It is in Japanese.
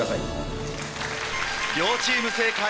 両チーム正解。